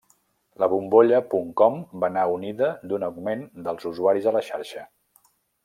La bombolla puntcom va anar unida d'un augment dels usuaris a la xarxa.